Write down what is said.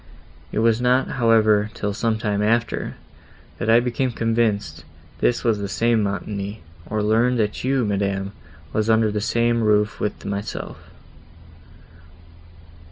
It was not, however, till some time after, that I became convinced this was the same Montoni, or learned that you, madam, was under the same roof with myself.